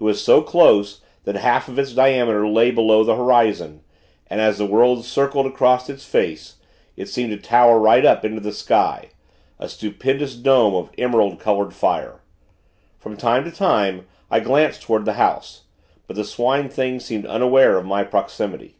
It was so close that half of its diameter lay below the horizon; and, as the world circled across its face, it seemed to tower right up into the sky, a stupendous dome of emerald colored fire. From time to time, I glanced toward the house; but the Swine things seemed unaware of my proximity.